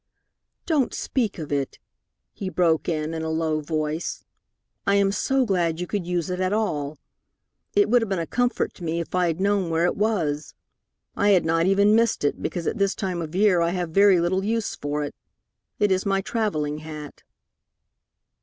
"Don't speak of it," he broke in, in a low voice. "I am so glad you could use it at all. It would have been a comfort to me if I had known where it was. I had not even missed it, because at this time of year I have very little use for it. It is my travelling hat."